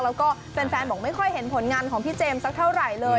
แล้วก็แฟนบอกไม่ค่อยเห็นผลงานของพี่เจมส์สักเท่าไหร่เลย